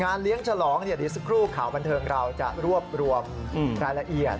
งานเลี้ยงฉลองสกรูข่าวบันเทิงเราจะรวบรวมรายละเอียด